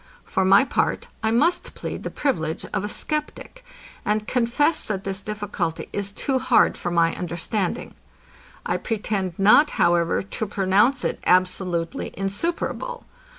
For my part, I must plead the privilege of a sceptic, and confess, that this difficulty is too hard for my understanding. I pretend not, however, to pronounce it absolutely insuperable.